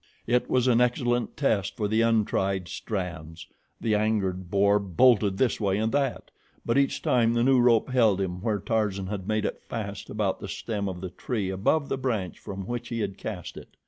It was an excellent test for the untried strands. The angered boar bolted this way and that; but each time the new rope held him where Tarzan had made it fast about the stem of the tree above the branch from which he had cast it.